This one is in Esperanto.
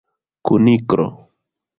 kuniklo